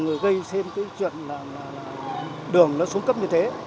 rồi gây thêm cái chuyện là đường nó xuống cấp như thế